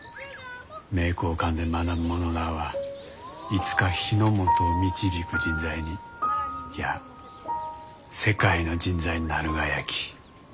名教館で学ぶ者らあはいつか日の本を導く人材にいや世界の人材になるがやき。